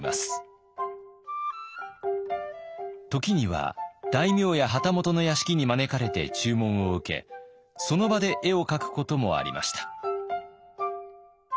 時には大名や旗本の屋敷に招かれて注文を受けその場で絵を描くこともありました。